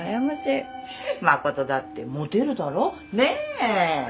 真琴だってモテるだろねえ？